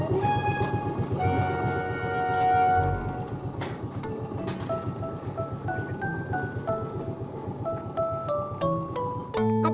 sich kham totong setup